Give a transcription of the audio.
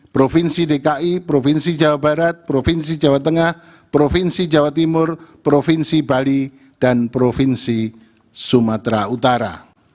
provinsi dki provinsi jawa barat provinsi jawa tengah provinsi jawa timur provinsi bali dan provinsi sumatera utara